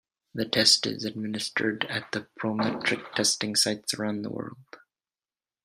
The test is administered at the Prometric testing sites around the world.